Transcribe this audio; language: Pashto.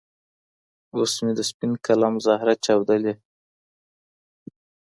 اوس مي د سپين قلم زهره چاودلې